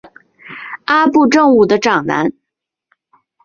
阿部正武的长男。